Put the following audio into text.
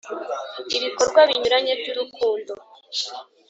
Ibikorwa binyuranye by ‘urukundo .